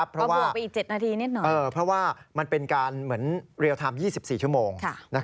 เพราะว่ามันเป็นการเหมือนเรียลไทม์๒๔ชั่วโมง